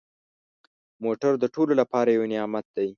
موټر د ټولو لپاره یو نعمت دی.